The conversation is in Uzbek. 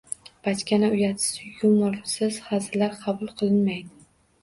- Bachkana, uyatsiz, yumorsiz hazillar qabul qilinmaydi!